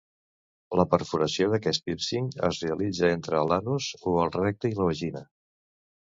La perforació d'aquest pírcing es realitza entre l'anus o el recte i la vagina.